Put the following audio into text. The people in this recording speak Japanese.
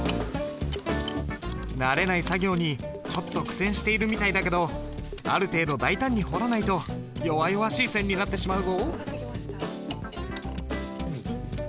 慣れない作業にちょっと苦戦しているみたいだけどある程度大胆に彫らないと弱々しい線になってしまうぞ。